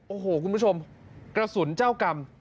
โอ้โหคุณผู้ชมกระสุนเจ้ากรรม